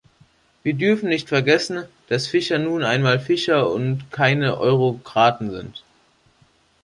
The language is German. Wir dürfen nicht vergessen, dass Fischer nun einmal Fischer und keine Eurokraten sind.